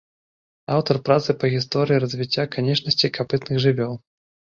Аўтар працы па гісторыі развіцця канечнасцей капытных жывёл.